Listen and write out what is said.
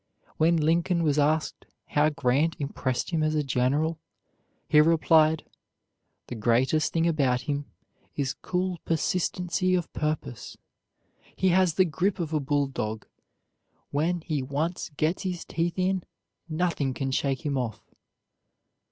When Lincoln was asked how Grant impressed him as a general, he replied, "The greatest thing about him is cool persistency of purpose. He has the grip of a bulldog; when he once gets his teeth in, nothing can shake him off."